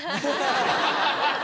ハハハハ！